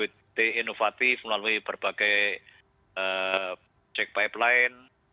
bukti inovatif melalui berbagai cek pipeline